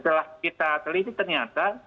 setelah kita teliti ternyata